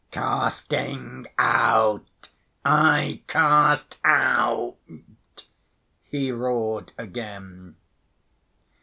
"Casting out I cast out," he roared again.